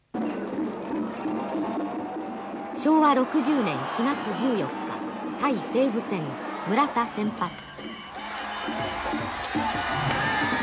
昭和６０年４月１４日対西武戦村田先発。